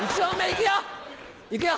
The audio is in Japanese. いくよ。